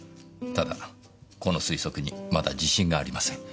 ただこの推測にまだ自信がありません。